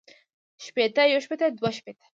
شپېتۀ يو شپېته دوه شپېته